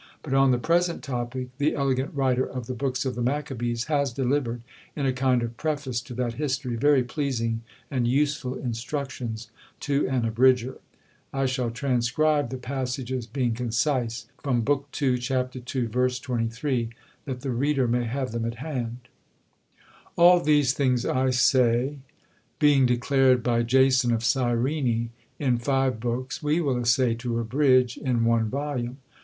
but on the present topic the elegant writer of the books of the Maccabees has delivered, in a kind of preface to that history, very pleasing and useful instructions to an Abridger. I shall transcribe the passages, being concise, from Book ii. Chap. ii. v. 23, that the reader may have them at hand: "All these things, I say, being declared by Jason of Cyrene, in five books, we will assay to abridge in one volume.